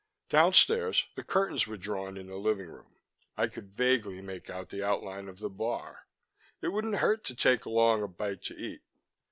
Downstairs, the curtains were drawn in the living room. I could vaguely make out the outline of the bar. It wouldn't hurt to take along a bite to eat.